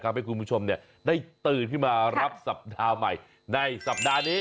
ให้คุณผู้ชมได้ตื่นขึ้นมารับสัปดาห์ใหม่ในสัปดาห์นี้